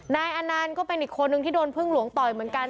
นายอนันต์ก็เป็นอีกคนนึงที่โดนพึ่งหลวงต่อยเหมือนกัน